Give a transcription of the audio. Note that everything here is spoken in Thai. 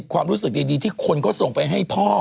ความรู้สึกดีที่คนเขาส่งไปให้พ่อ